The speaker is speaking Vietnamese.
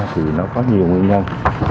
thì nó có nhiều nguyên nhân